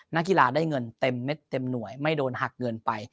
นักกีฬาได้เงินเต็มเม็ดเต็มหน่วยไม่โดนหักเงินไป